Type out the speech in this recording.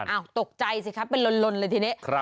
อ้าวตกใจสิคะเป็นลดเลยทีนี้